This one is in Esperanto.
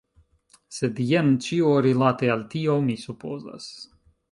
Sed... jen ĉio rilate al tio, mi supozas.